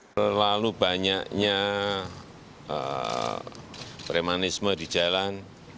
terlalu banyaknya premanisme di jalan